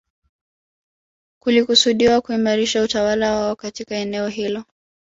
Kulikusudiwa kuimarisha utawala wao katika eneo hilo